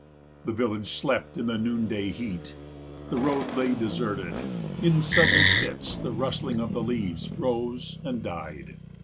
The village slept in the noonday heat. The road lay deserted. In sudden fits the rustling of the leaves rose and died.